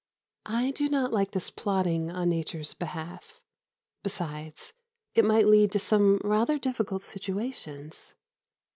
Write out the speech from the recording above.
I do not like this plotting on Nature's behalf. Besides, it might lead to some rather difficult situations.